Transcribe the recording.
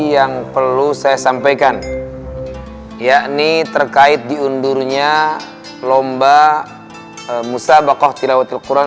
yang perlu saya sampaikan yakni terkait di undurnya lomba musa bakoh tilawatil quran